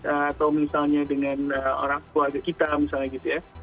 atau misalnya dengan orang keluarga kita misalnya gitu ya